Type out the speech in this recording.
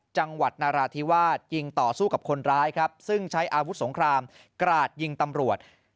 จังหวัดนราธิวาสยิงต่อสู้กับคนร้ายครับซึ่งใช้อาวุธสงครามกราดยิงตำรวจ